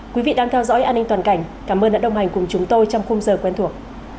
quý vị đang theo dõi an ninh toàn cảnh cảm ơn đã đồng hành cùng chúng tôi trong khung giờ quen thuộc